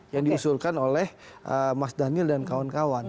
yang diusulkan oleh mas daniel dan kawan kawan